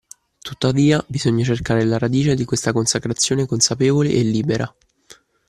Tuttavia, bisogna cercare la radice di questa consacrazione consapevole e libera